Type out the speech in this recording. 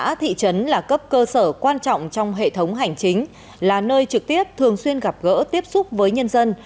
công an thị trấn là cấp cơ sở quan trọng trong hệ thống hành chính là nơi trực tiếp thường xuyên gặp gỡ tiếp xúc với nhân dân